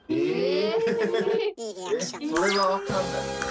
え？